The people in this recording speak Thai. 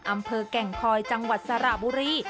อำเภอแก่งคอยจังหวัดสระบุรี